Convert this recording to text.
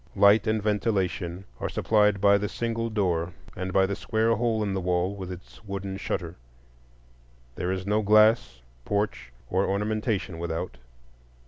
Light and ventilation are supplied by the single door and by the square hole in the wall with its wooden shutter. There is no glass, porch, or ornamentation without.